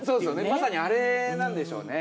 まさにあれなんでしょうね